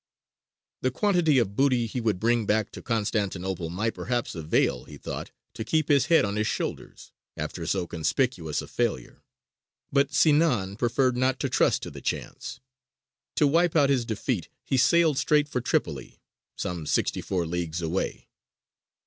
The quantity of booty he would bring back to Constantinople might perhaps avail, he thought, to keep his head on his shoulders, after so conspicuous a failure; but Sinān preferred not to trust to the chance. To wipe out his defeat, he sailed straight for Tripoli, some sixty four leagues away.